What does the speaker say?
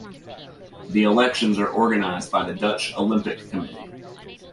The elections are organized by the Dutch Olympic Committee.